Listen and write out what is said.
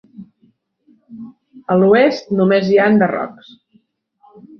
A l'oest només hi ha enderrocs.